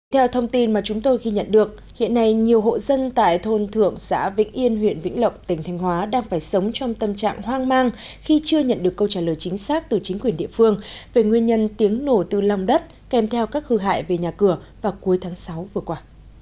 theo thông tin mà chúng tôi ghi nhận được hiện nay nhiều hộ dân tại thôn thượng xã vĩnh yên huyện vĩnh lộc tỉnh thanh hóa đang phải sống trong tâm trạng hoang mang khi chưa nhận được câu trả lời chính xác từ chính quyền địa phương về nguyên nhân tiếng nổ từ lòng đất kèm theo các hư hại về nhà cửa vào cuối tháng sáu vừa qua